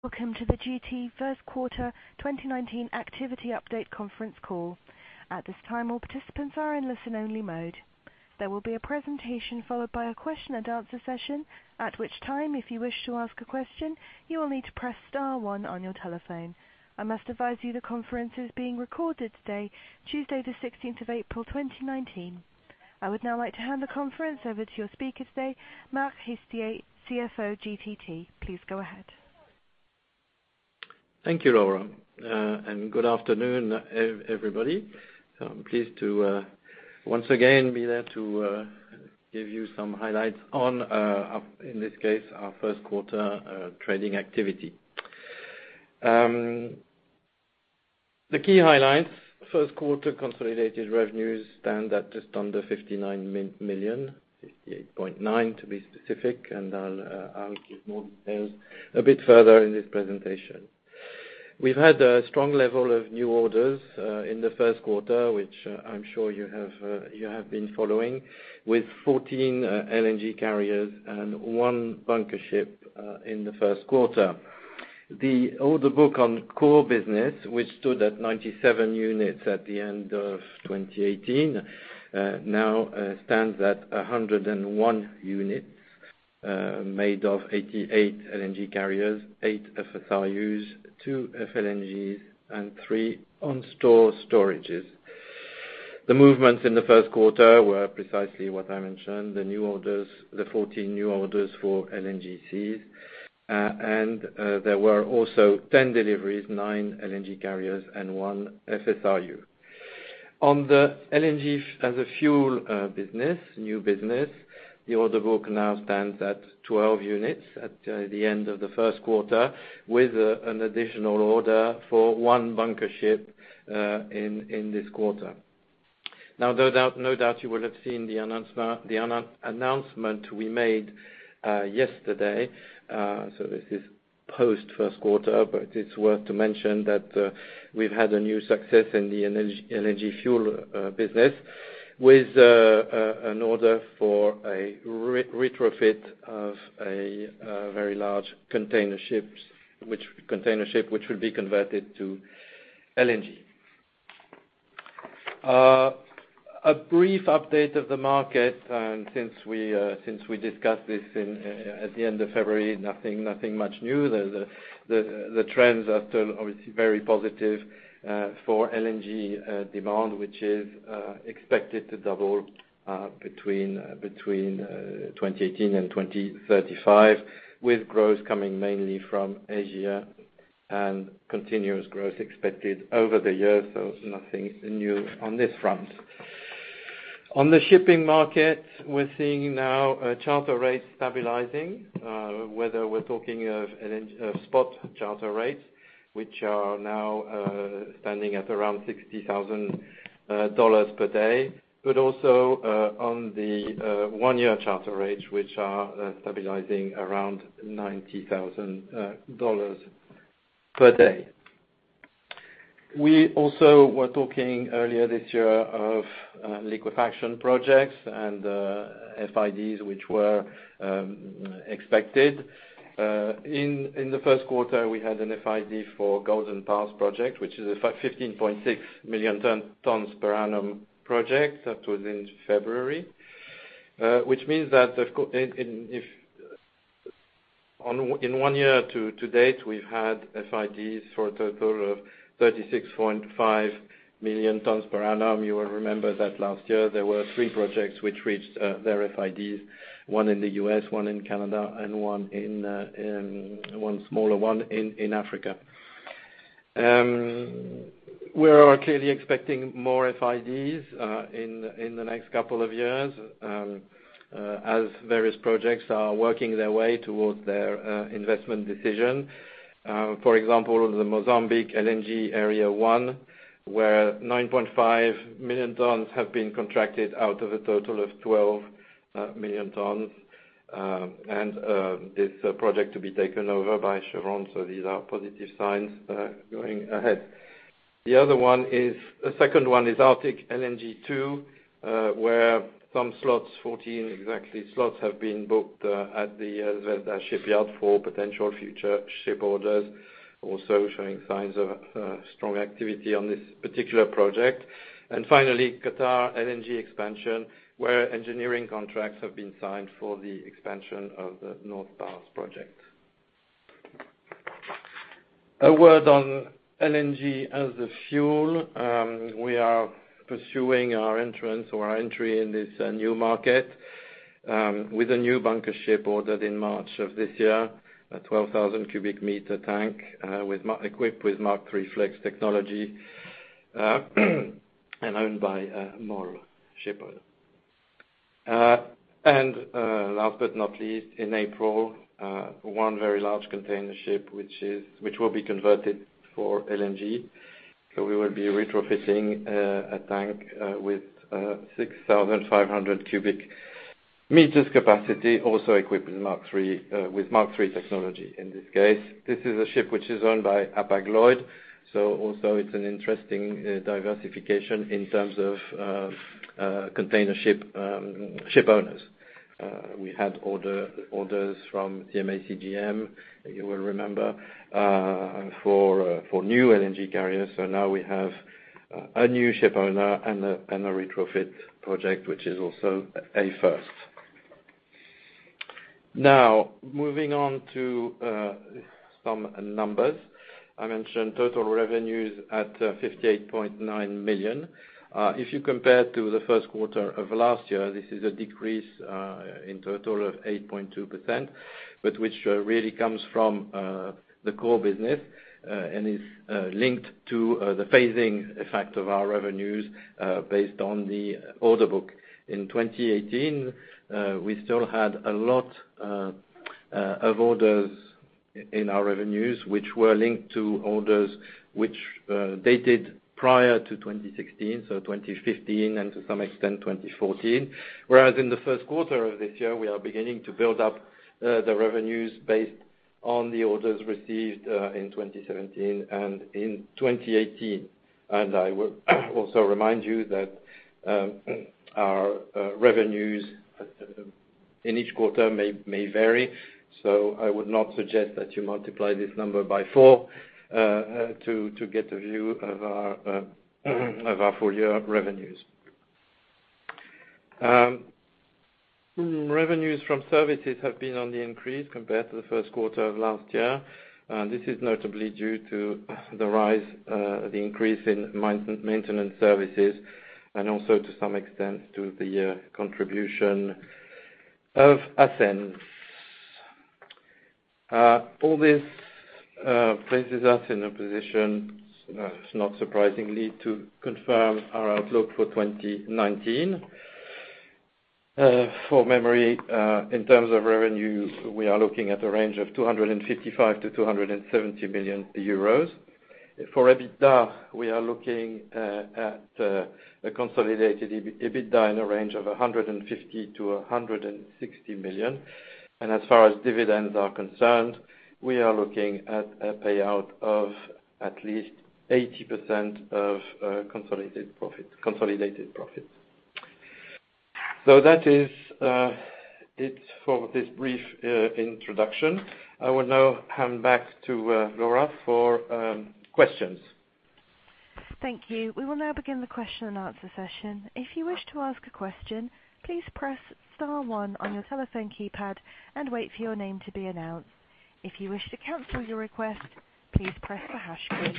Welcome to the GTT First Quarter 2019 Activity Update Conference Call. At this time, all participants are in listen-only mode. There will be a presentation followed by a question-and-answer session, at which time, if you wish to ask a question, you will need to press star one on your telephone. I must advise you the conference is being recorded today, Tuesday the 16th of April 2019. I would now like to hand the conference over to your speaker today, Marc Haestier, Chief Financial Officer of GTT. Please go ahead. Thank you, Laura, and good afternoon, everybody. I'm pleased to, once again, be there to give you some highlights on, in this case, our first quarter trading activity. The key highlights: first quarter consolidated revenues stand at just under 59 million, 58.9 million to be specific, and I'll give more details a bit further in this presentation. We've had a strong level of new orders in the first quarter, which I'm sure you have been following, with 14 LNG carriers and one bunker ship in the first quarter. The order book on core business, which stood at 97 units at the end of 2018, now stands at 101 units made of 88 LNG carriers, eight FSRUs, two FLNGs, and three on-store storages. The movements in the first quarter were precisely what I mentioned: the new orders, the 14 new orders for LNGCs, and there were also 10 deliveries, nine LNG carriers, and one FSRU. On the LNG as a fuel business, new business, the order book now stands at 12 units at the end of the first quarter, with an additional order for one bunker ship in this quarter. Now, no doubt you will have seen the announcement we made yesterday, so this is post first quarter, but it's worth to mention that we've had a new success in the LNG fuel business with an order for a retrofit of a very large container ship, which will be converted to LNG. A brief update of the market, and since we discussed this at the end of February, nothing much new. The trends are still very positive for LNG demand, which is expected to double between 2018 and 2035, with growth coming mainly from Asia and continuous growth expected over the year, so nothing new on this front. On the shipping market, we're seeing now charter rates stabilizing, whether we're talking of spot charter rates, which are now standing at around $60,000 per day, but also on the one-year charter rates, which are stabilizing around $90,000 per day. We also were talking earlier this year of liquefaction projects and FIDs, which were expected. In the first quarter, we had an FID for Golden Pass project, which is a 15.6 million tons per annum project that was in February, which means that in one year to date, we've had FIDs for a total of 36.5 million tons per annum. You will remember that last year there were three projects which reached their FIDs, one in the U.S., one in Canada, and one smaller one in Africa. We are clearly expecting more FIDs in the next couple of years as various projects are working their way towards their investment decision. For example, the Mozambique LNG Area 1, where 9.5 million tons have been contracted out of a total of 12 million tons, and this project to be taken over by Chevron, so these are positive signs going ahead. The other one is, the second one is Arctic LNG 2, where some slots, 14 exactly slots, have been booked at the Zvezda shipyard for potential future ship orders, also showing signs of strong activity on this particular project. And finally, Qatar LNG expansion, where engineering contracts have been signed for the expansion of the North Field project. A word on LNG as a fuel: we are pursuing our entrance or our entry in this new market with a new bunker ship ordered in March of this year, a 12,000-cubic-meter tank equipped with Mark III Flex technology and owned by MOL shipowner. And last but not least, in April, one very large container ship which will be converted for LNG, so we will be retrofitting a tank with 6,500 cubic meters capacity, also equipped with Mark III technology in this case. This is a ship which is owned by Hapag-Lloyd, so also it's an interesting diversification in terms of container ship owners. We had orders from CMA CGM, you will remember, for new LNG carriers, so now we have a new ship owner and a retrofit project which is also a first. Now, moving on to some numbers, I mentioned total revenues at 58.9 million. If you compare to the first quarter of last year, this is a decrease in total of 8.2%, but which really comes from the core business and is linked to the phasing effect of our revenues based on the order book. In 2018, we still had a lot of orders in our revenues which were linked to orders which dated prior to 2016, so 2015 and to some extent 2014, whereas in the first quarter of this year, we are beginning to build up the revenues based on the orders received in 2017 and in 2018. I will also remind you that our revenues in each quarter may vary, so I would not suggest that you multiply this number by four to get a view of our full year revenues. Revenues from services have been on the increase compared to the first quarter of last year. This is notably due to the rise, the increase in maintenance services, and also to some extent to the contribution of Ascenz. All this places us in a position, not surprisingly, to confirm our outlook for 2019. For memory, in terms of revenue, we are looking at a range of 255 million-270 million euros. For EBITDA, we are looking at a consolidated EBITDA in a range of 150 million-160 million. And as far as dividends are concerned, we are looking at a payout of at least 80% of consolidated profits. So that is it for this brief introduction. I will now hand back to Laura for questions. Thank you. We will now begin the question and answer session. If you wish to ask a question, please press star one on your telephone keypad and wait for your name to be announced. If you wish to cancel your request, please press the hash key.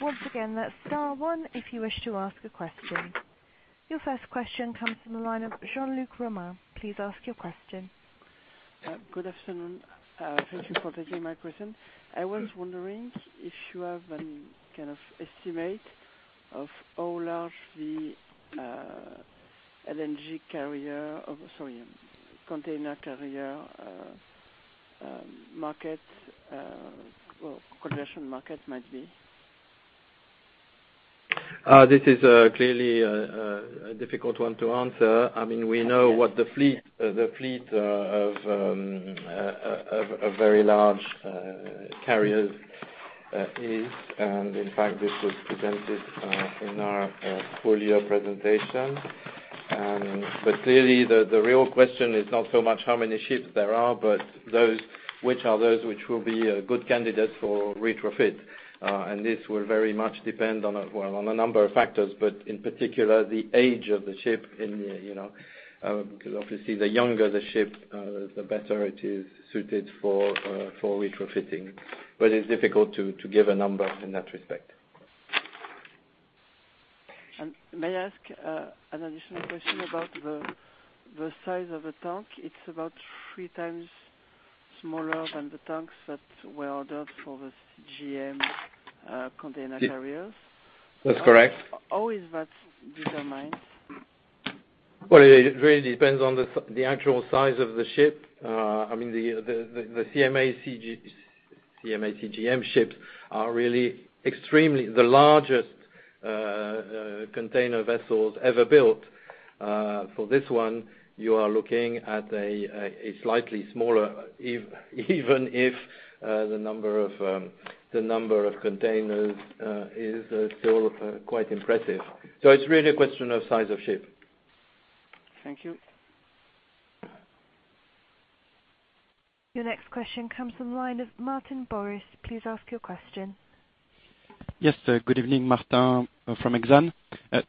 Once again, that's star one if you wish to ask a question. Your first question comes from the line of Jean-Luc Romain. Please ask your question. Good afternoon. Thank you for taking my question. I was wondering if you have an estimate of how large the LNG carrier, sorry, container carrier market, well, conversion market might be. This is clearly a difficult one to answer. I mean, we know what the fleet of very large carriers is, and in fact, this was presented in our full year presentation. But clearly, the real question is not so much how many ships there are, but which are those which will be good candidates for retrofit. And this will very much depend on a number of factors, but in particular, the age of the ship. Because obviously, the younger the ship, the better it is suited for retrofitting. But it's difficult to give a number in that respect. May I ask an additional question about the size of the tank? It's about three times smaller than the tanks that were ordered for the CGM container carriers. That's correct. How is that determined? Well, it really depends on the actual size of the ship. I mean, the CMA CGM ships are really extremely the largest container vessels ever built. For this one, you are looking at a slightly smaller, even if the number of containers is still quite impressive. So it's really a question of size of ship. Thank you. Your next question comes from the line of Martin Burri. Please ask your question. Yes, good evening, Martin from Exane.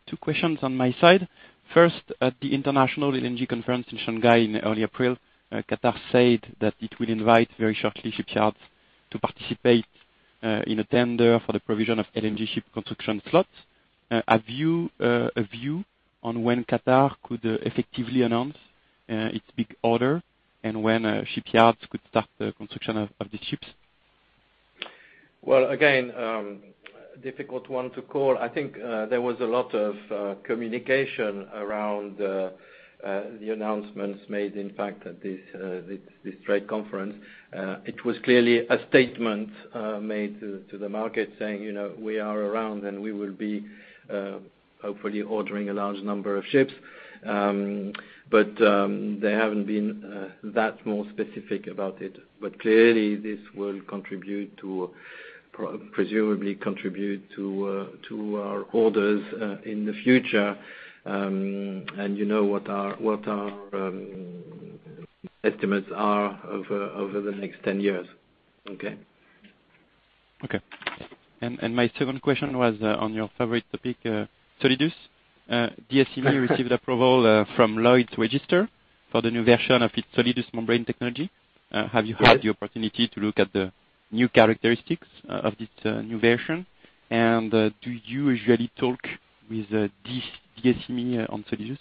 Two questions on my side. First, at the International LNG Conference in Shanghai in early April, Qatar said that it will invite very shortly shipyards to participate in a tender for the provision of LNG ship construction slots. Have you a view on when Qatar could effectively announce its big order and when shipyards could start the construction of these ships? Well, again, difficult one to call. I think there was a lot of communication around the announcements made, in fact, at this trade conference. It was clearly a statement made to the market saying, "We are around and we will be hopefully ordering a large number of ships." But they haven't been that more specific about it. But clearly, this will contribute to, presumably contribute to our orders in the future. And you know what our estimates are over the next 10 years. Okay? Okay. And my second question was on your favorite topic, Solidus. DSME received approval from Lloyd's Register for the new version of its Solidus membrane technology. Have you had the opportunity to look at the new characteristics of this new version? And do you usually talk with DSME on Solidus?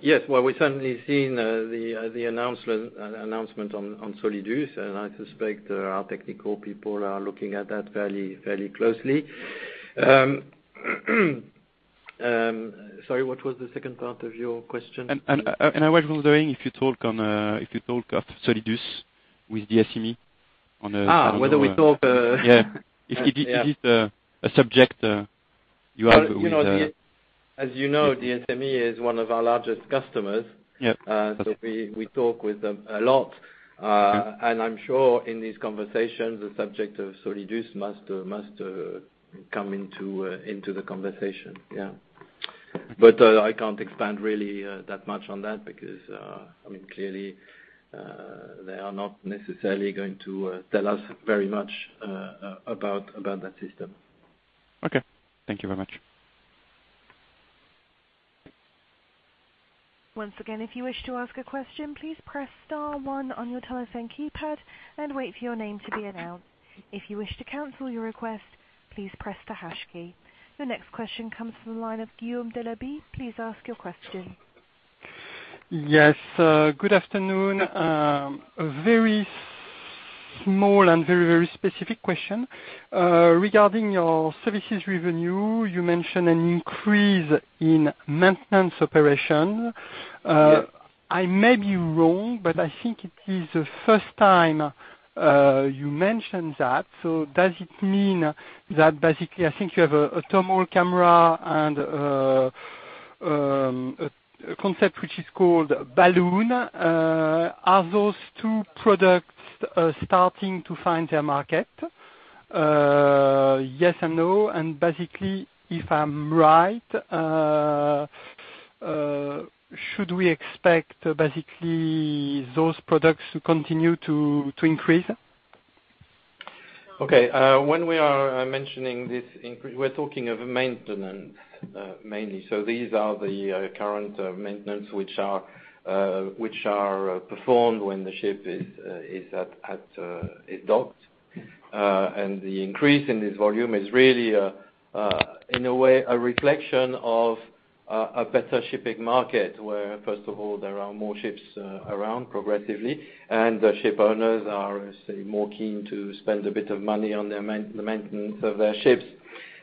Yes. Well, we certainly seen the announcement on Solidus, and I suspect our technical people are looking at that fairly closely. Sorry, what was the second part of your question? I was wondering if you talk of Solidus with DSME on a regular basis. Whether we talk? Yeah. Is it a subject you have with them? As you know, DSME is one of our largest customers, so we talk with them a lot. And I'm sure in these conversations, the subject of Solidus must come into the conversation. Yeah. But I can't expand really that much on that because, I mean, clearly, they are not necessarily going to tell us very much about that system. Okay. Thank you very much. Once again, if you wish to ask a question, please press star one on your telephone keypad and wait for your name to be announced. If you wish to cancel your request, please press the hash key. Your next question comes from the line of Guillaume Delaby. Please ask your question. Yes. Good afternoon. A very small and very, very specific question. Regarding your services revenue, you mentioned an increase in maintenance operations. I may be wrong, but I think it is the first time you mentioned that. So does it mean that basically I think you have a thermal camera and a concept which is called balloon? Are those two products starting to find their market? Yes and no. And basically, if I'm right, should we expect basically those products to continue to increase? Okay. When we are mentioning this increase, we're talking of maintenance mainly. So these are the current maintenance which are performed when the ship is docked. And the increase in this volume is really, in a way, a reflection of a better shipping market where, first of all, there are more ships around progressively, and the ship owners are, say, more keen to spend a bit of money on the maintenance of their ships.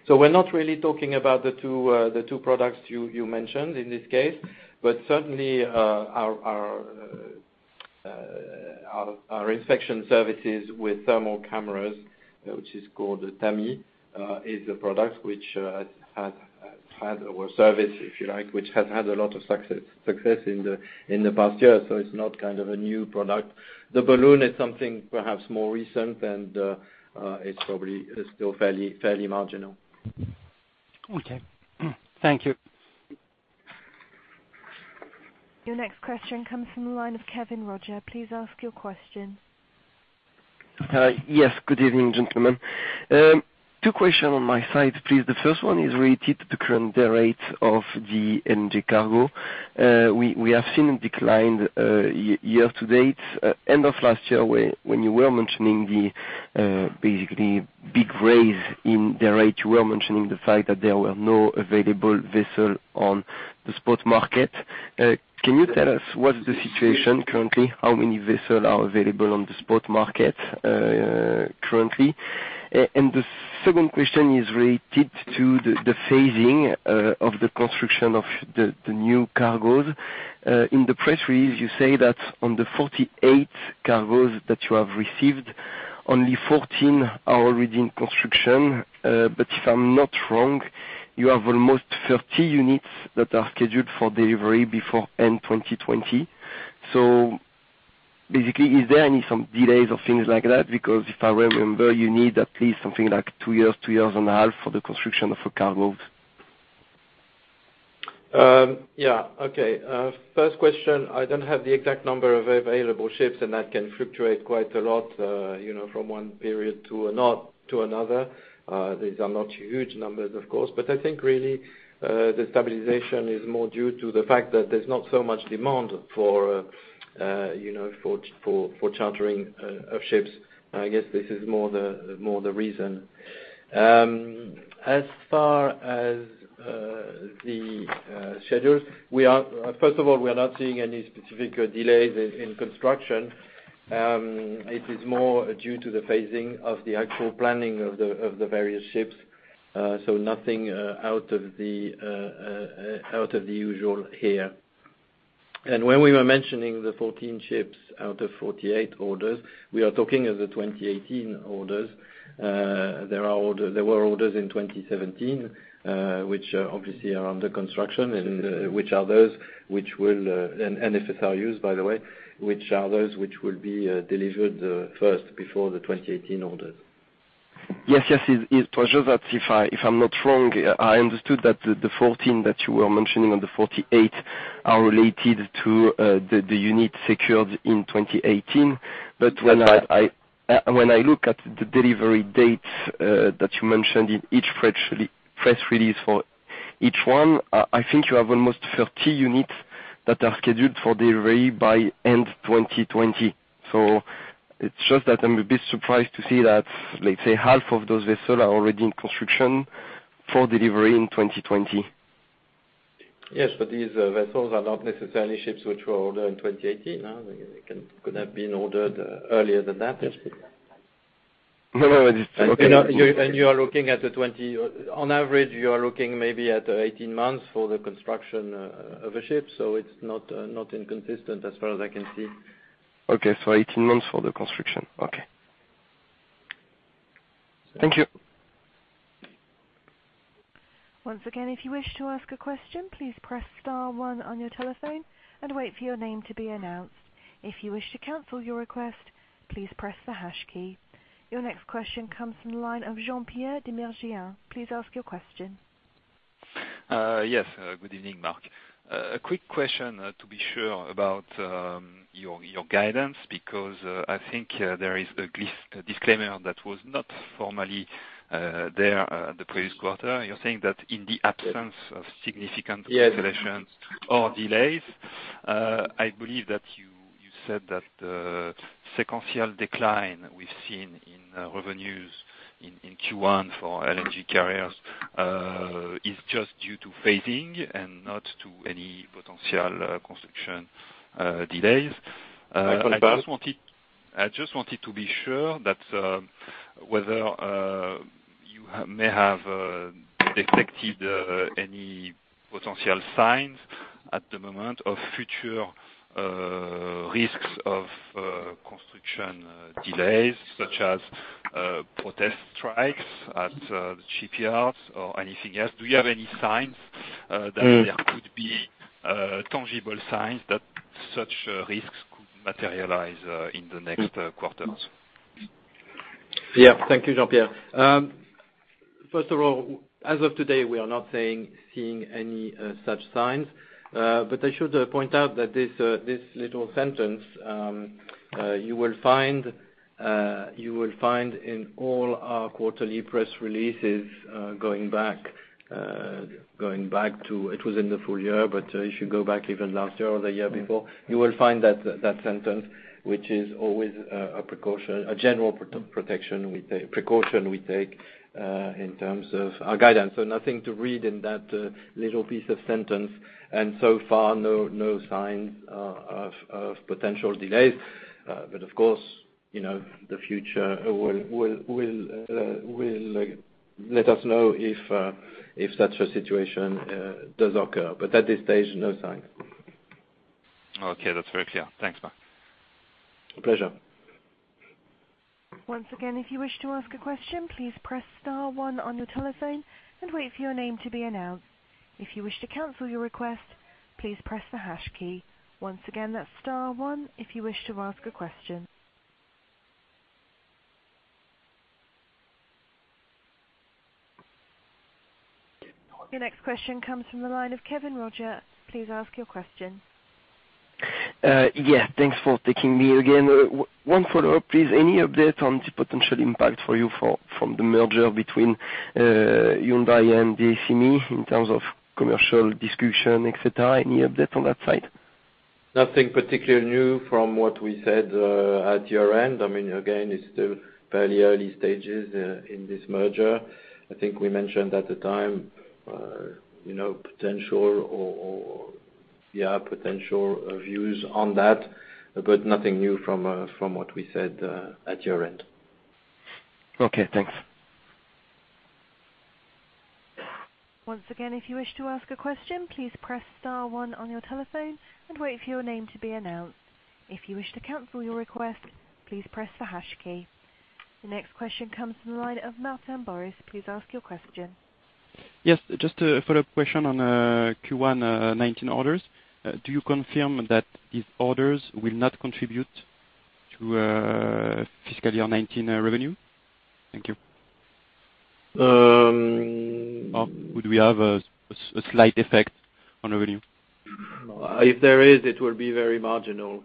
So we're not really talking about the two products you mentioned in this case, but certainly our inspection services with thermal cameras, which is called TAMI, is a product which has had, or service, if you like, which has had a lot of success in the past year. So it's not kind of a new product. The balloon is something perhaps more recent, and it's probably still fairly marginal. Okay. Thank you. Your next question comes from the line of Kevin Roger. Please ask your question. Yes. Good evening, gentlemen. Two questions on my side, please. The first one is related to the current rate of the LNG cargo. We have seen a decline year to date. End of last year, when you were mentioning the basically big rise in the rate, you were mentioning the fact that there were no available vessels on the spot market. Can you tell us what's the situation currently? How many vessels are available on the spot market currently? And the second question is related to the phasing of the construction of the new cargoes. In the press release, you say that on the 48 cargoes that you have received, only 14 are already in construction. But if I'm not wrong, you have almost 30 units that are scheduled for delivery before end 2020. So basically, is there any sort of delays or things like that? Because if I remember, you need at least something like two years, two years and a half for the construction of a cargo? Yeah. Okay. First question, I don't have the exact number of available ships, and that can fluctuate quite a lot from one period to another. These are not huge numbers, of course. But I think really the stabilization is more due to the fact that there's not so much demand for chartering of ships. I guess this is more the reason. As far as the schedules, first of all, we are not seeing any specific delays in construction. It is more due to the phasing of the actual planning of the various ships. So nothing out of the usual here. And when we were mentioning the 14 ships out of 48 orders, we are talking of the 2018 orders. There were orders in 2017, which obviously are under construction, and which are those which will be FSRUs, by the way, which are those which will be delivered first before the 2018 orders. Yes. Yes. It's for sure that if I'm not wrong, I understood that the 14 that you were mentioning on the 48 are related to the unit secured in 2018. But when I look at the delivery dates that you mentioned in each press release for each one, I think you have almost 30 units that are scheduled for delivery by end 2020. So it's just that I'm a bit surprised to see that, let's say, half of those vessels are already in construction for delivery in 2020. Yes. But these vessels are not necessarily ships which were ordered in 2018. They could have been ordered earlier than that. No, no. It's okay. You are looking at the 20 on average, you are looking maybe at 18 months for the construction of a ship. So it's not inconsistent as far as I can see. Okay. 18 months for the construction. Okay. Thank you. Once again, if you wish to ask a question, please press star one on your telephone and wait for your name to be announced. If you wish to cancel your request, please press the hash key. Your next question comes from the line of Jean-Pierre Dmirdjian. Please ask your question. Yes. Good evening, Mark. A quick question to be sure about your guidance because I think there is a disclaimer that was not formally there the previous quarter. You're saying that in the absence of significant cancellations or delays, I believe that you said that the sequential decline we've seen in revenues in Q1 for LNG carriers is just due to phasing and not to any potential construction delays. I just wanted to be sure that whether you may have detected any potential signs at the moment of future risks of construction delays, such as protest strikes at the shipyards or anything else. Do you have any signs that there could be tangible signs that such risks could materialize in the next quarters? Yeah. Thank you, Jean-Pierre. First of all, as of today, we are not seeing any such signs. But I should point out that this little sentence, you will find in all our quarterly press releases going back to it was in the full year, but if you go back even last year or the year before, you will find that sentence, which is always a general protection we take, precaution we take in terms of our guidance. So nothing to read in that little piece of sentence. And so far, no signs of potential delays. But of course, the future will let us know if such a situation does occur. But at this stage, no signs. Okay. That's very clear. Thanks, Marc. A pleasure. Once again, if you wish to ask a question, please press star one on your telephone and wait for your name to be announced. If you wish to cancel your request, please press the hash key. Once again, that's star one if you wish to ask a question. Your next question comes from the line of Kevin Roger. Please ask your question. Yes. Thanks for taking me again. One follow-up, please. Any update on the potential impact for you from the merger between Hyundai and DSME in terms of commercial discussion, etc.? Any update on that side? Nothing particularly new from what we said at your end. I mean, again, it's still fairly early stages in this merger. I think we mentioned at the time potential or, yeah, potential views on that, but nothing new from what we said at your end. Okay. Thanks. Once again, if you wish to ask a question, please press star one on your telephone and wait for your name to be announced. If you wish to cancel your request, please press the hash key. Your next question comes from the line of Martin Burri. Please ask your question. Yes. Just a follow-up question on Q1 2019 orders. Do you confirm that these orders will not contribute to fiscal year 2019 revenue? Thank you. Or would we have a slight effect on revenue? If there is, it will be very marginal.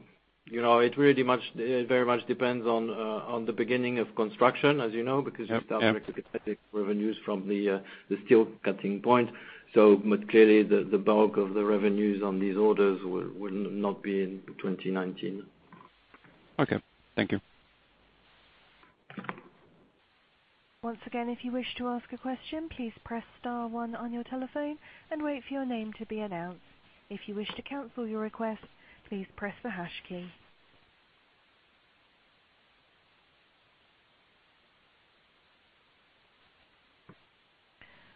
It very much depends on the beginning of construction, as you know, because you start recognizing revenues from the steel cutting point. So clearly, the bulk of the revenues on these orders will not be in 2019. Okay. Thank you. Once again, if you wish to ask a question, please press star one on your telephone and wait for your name to be announced. If you wish to cancel your request, please press the hash key.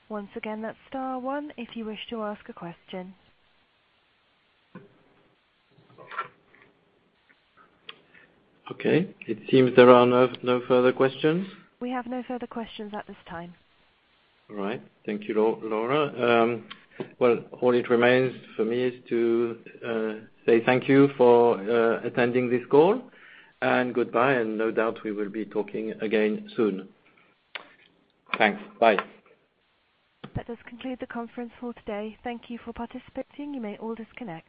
Once again, that's star one if you wish to ask a question. Okay. It seems there are no further questions. We have no further questions at this time. All right. Thank you, Laura. Well, all it remains for me is to say thank you for attending this call and goodbye. No doubt we will be talking again soon. Thanks. Bye. That does conclude the conference for today. Thank you for participating. You may all disconnect.